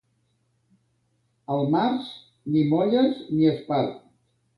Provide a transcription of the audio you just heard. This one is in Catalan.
Al març, ni molles ni espart.